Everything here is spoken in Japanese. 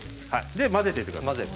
で混ぜてください。